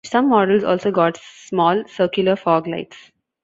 Some models also got small circular fog lights.